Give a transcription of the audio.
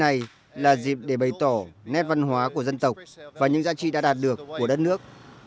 này là dịp để bày tỏ nét văn hóa của dân tộc và những giá trị đã đạt được của đất nước